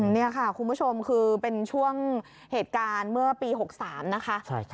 นี่ค่ะคุณผู้ชมคือเป็นช่วงเหตุการณ์เมื่อปี๖๓นะคะ